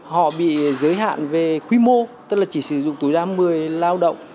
họ bị giới hạn về quy mô tức là chỉ sử dụng tối đa một mươi năm